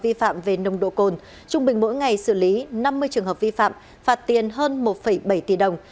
vi phạm về nồng độ cồn trung bình mỗi ngày xử lý năm mươi trường hợp vi phạm phạt tiền hơn một bảy tỷ đồng